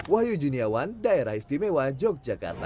wahyu juniawan daerah istimewa yogyakarta